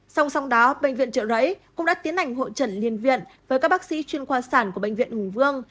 song song đó bệnh viện trợ rẫy cũng đã tiến hành hội trần liên viện với các bác sĩ chuyên khoa sản của bệnh viện hùng vương